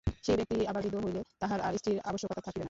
সেই ব্যক্তিই আবার বৃদ্ধ হইলে তাহার আর স্ত্রীর আবশ্যকতা থাকিবে না।